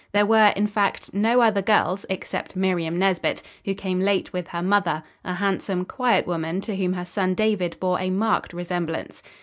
There were, in fact, no other girls, except Miriam Nesbit, who came late with her mother, a handsome, quiet woman to whom her son David bore a marked resemblance.